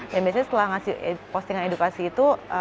dan biasanya setelah ngasih postingan edukasi itu